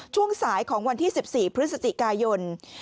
ช่วงสายของวันที่๑๔พฤศจิกายน